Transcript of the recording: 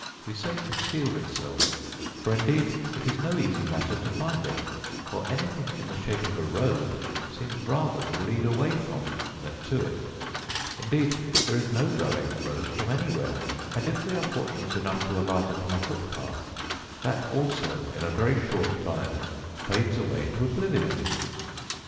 We say concealed itself, for indeed it is no easy matter to find it, for anything in the shape of a road seems rather to lead away from, than to it; indeed, there is no direct road from anywhere, and if we are fortunate enough to alight upon a footpath, that also in a very short time fades away into oblivion!